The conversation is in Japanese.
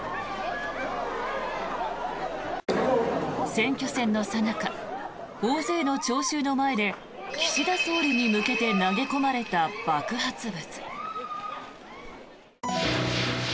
選挙戦のさなか大勢の聴衆の前で岸田総理に向けて投げ込まれた爆発物。